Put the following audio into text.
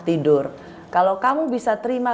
tidur kalau kamu bisa terima